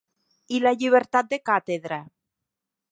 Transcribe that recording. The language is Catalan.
I la llibertat de càtedra?